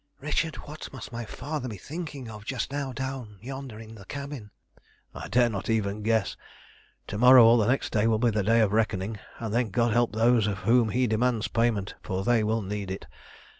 Richard, what must my father be thinking of just now down yonder in the cabin?" "I dare not even guess. To morrow or the next day will be the day of reckoning, and then God help those of whom he demands payment, for they will need it.